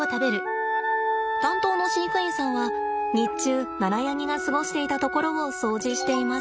担当の飼育員さんは日中ナラヤニが過ごしていたところを掃除しています。